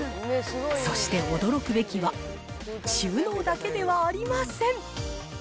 そして驚くべきは収納だけではありません。